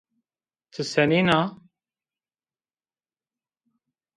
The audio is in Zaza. Ti senên a?